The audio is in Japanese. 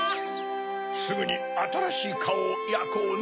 すぐにあたらしいカオをやこうね。